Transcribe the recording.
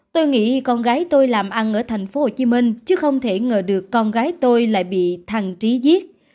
tôi nghĩ con gái tôi làm ăn ở thành phố hồ chí minh chứ không thể ngờ được con gái tôi lại bị thằng trí giết